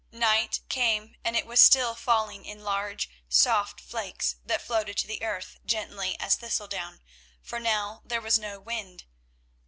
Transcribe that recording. Night came, and it was still falling in large, soft flakes that floated to the earth gently as thistledown, for now there was no wind.